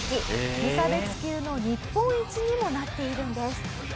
無差別級の日本一にもなっているんです。